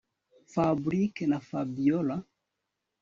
Fabric na fabiora